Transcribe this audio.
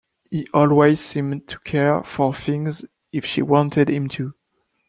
He always seemed to care for things if she wanted him to.